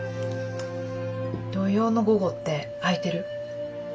土曜の午後って空いてる？